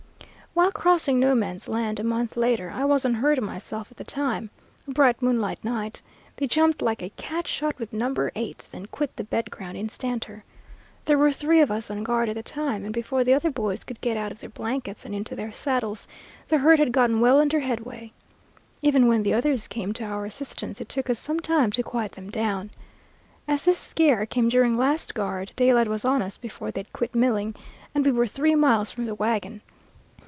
"While crossing 'No Man's Land' a month later, I was on herd myself at the time, a bright moonlight night, they jumped like a cat shot with No. 8's, and quit the bed ground instanter. There were three of us on guard at the time, and before the other boys could get out of their blankets and into their saddles the herd had gotten well under headway. Even when the others came to our assistance, it took us some time to quiet them down. As this scare came during last guard, daylight was on us before they had quit milling, and we were three miles from the wagon.